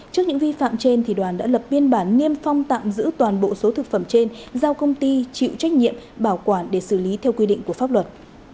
trước những vi phạm trên đoàn đã lập biên bản niêm phong tạm giữ toàn bộ số thực phẩm trên giao công ty chịu trách nhiệm bảo quản để xử lý theo quy định của pháp luật